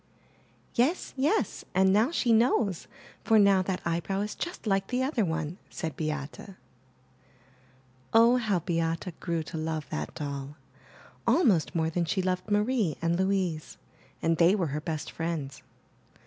''Yes, yes, and now she knows, for now that eyebrow is just like the other one,'* said Beate. Oh, how Beate grew to love that doll, almost more than she loved Marie and Louise, and they were her best friends.